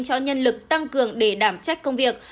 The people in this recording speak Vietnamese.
cho nhân lực tăng cường để đảm trách công việc